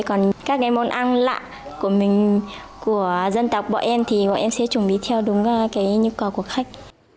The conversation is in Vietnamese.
còn các món ăn lạ của dân tộc bọn em thì bọn em sẽ chuẩn bị theo đúng nhu cầu của khách